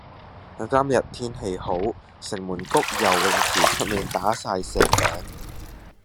今日天氣好，城門谷游泳池出面打晒蛇餅。